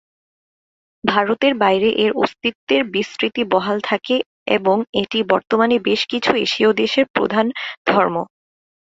ভারতের বাইরে এর অস্তিত্বের বিস্তৃতি বহাল থাকে এবং এটি বর্তমানে বেশ কিছু এশীয় দেশের প্রধান ধর্ম।